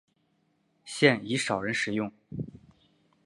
现已少人使用。